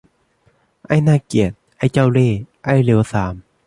ไอ้น่าเกลียด ไอ้เจ้าเล่ห์ ไอ้เลวทราม !